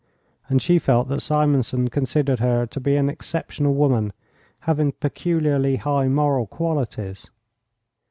And she felt that Simonson considered her to be an exceptional woman, having peculiarly high moral qualities.